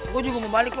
gue juga mau balik aja